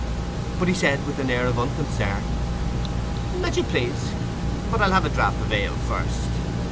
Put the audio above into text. But he said, with an air of unconcern— "As you please; but I'll have a draught of ale first."